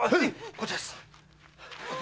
こっちです。